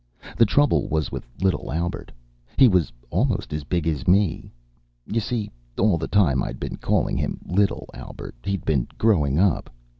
The trouble was with little Albert. He was almost as big as me. You see, all the time I'd been calling him little Albert, he'd been growing up.